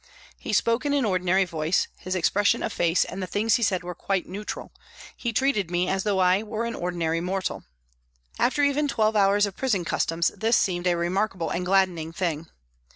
He spoke in an ordinary voice, his expression of face and the things he said were quite natural, he treated me as though I were an ordinary mortal. After even twelve hours of prison customs this seemed a remarkable and gladdening thing.